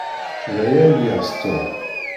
D aya ay yeɣs Tom?